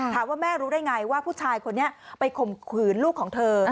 แม่รู้ได้ไงว่าผู้ชายคนนี้ไปข่มขืนลูกของเธอ